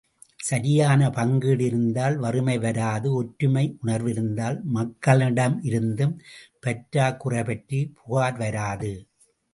சரியான பங்கீடு இருந்தால் வறுமை வராது ஒற்றுமை உணர்விருந்தால் மக்களிடமிருந்தும் பற்றாக் குறைபற்றி புகார் வராது.